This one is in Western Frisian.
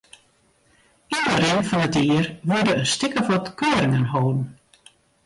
Yn de rin fan it jier wurde in stik of wat keuringen holden.